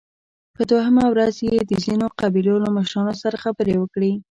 په دوهمه ورځ يې د ځينو قبيلو له مشرانو سره خبرې وکړې